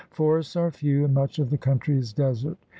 Forests are few, and much of the country is desert.